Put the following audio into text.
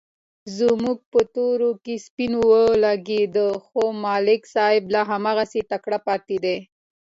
زموږ په تورو کې سپین ولږېدل، خو ملک صاحب لا هماغسې تکړه پاتې دی.